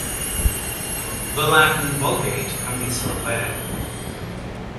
The Latin Vulgate can be so read.